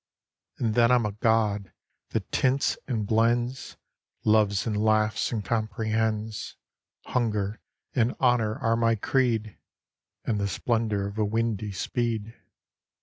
And then Vm a god, that tints and blends» Loves and laughs and comprehends ; Hunger and honour are my creed, And the splendour of a windy speed.